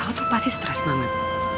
aku tuh pasti stres banget